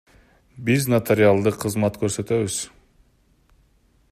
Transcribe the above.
Биз нотариалдык кызмат көрсөтөбүз.